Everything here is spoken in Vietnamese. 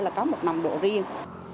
là có một nồng độ riêng